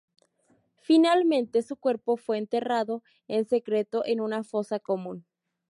Finalmente, su cuerpo fue enterrado en secreto en una fosa común.